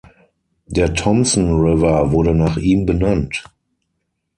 Der Thompson River wurde nach ihm benannt.